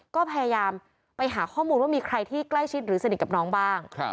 ก็พยายามไปหาข้อมูลว่ามีใครที่ใกล้ชิดหรือสนิทกับน้องบ้าง